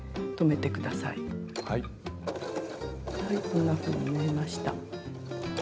こんなふうに縫えました。